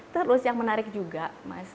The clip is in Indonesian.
terus yang menarik juga mas